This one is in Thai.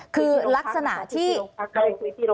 คือลักษณะที่ที่โรงพยาบาล